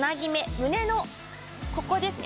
胸のここですね